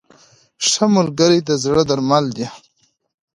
• ښه ملګری د زړه درمل دی.